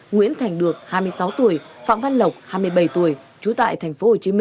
nguyễn thành được hai mươi sáu tuổi phạm văn lộc hai mươi bảy tuổi trú tại tp hcm